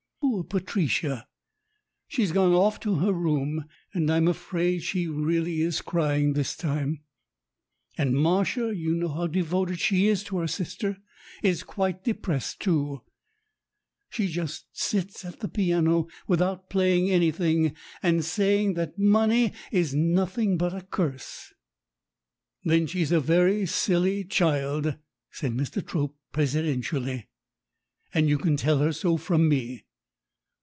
Poor Patricia ! She's gone off to her room, and I'm afraid she really is crying this time, and Martia you know how devoted she is to her sister is quite depressed too; she just sits at the piano, without playing any thing, and saying that money is nothing but a curse." "Then she's a very silly child," said Mr. Trope presidentially, "and you can tell her so from me.